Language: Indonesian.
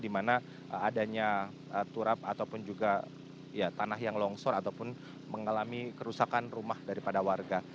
di mana adanya turap ataupun juga tanah yang longsor ataupun mengalami kerusakan rumah daripada warga